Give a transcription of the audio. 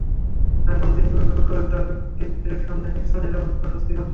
তাঁর সামনে তিনি বিব্রত বোধ করতেন, তাঁর ব্যক্তিত্বের সামনে নিক্সনের অস্বস্তি হতো।